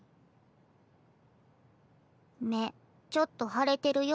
目ちょっとはれてるよ。